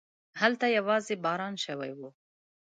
هلته يواځې باران شوی و.